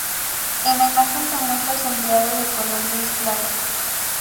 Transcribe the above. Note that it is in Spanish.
En la imagen se muestra sombreado de color gris claro.